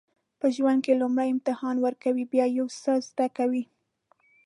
په ژوند کې لومړی امتحان ورکوئ بیا یو څه زده کوئ.